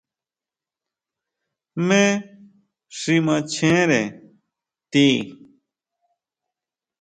¿Jmé xi machjere ti?